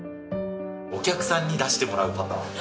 お客さんに出してもらうパターン。